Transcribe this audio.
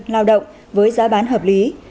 lao động với giá bán hợp lý